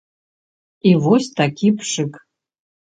І вось такі пшык.